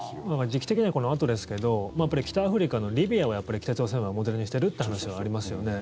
時期的にはこのあとですけど北アフリカのリビアを北朝鮮はモデルにしてるって話はありますよね。